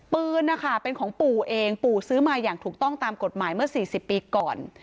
ปืนนะคะเป็นของปู่เองปู่ซื้อมาอย่างถูกต้องตามกฎหมายเมื่อ๔๐ปีก่อน